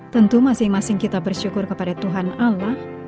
tentu masing masing kita bersyukur kepada tuhan allah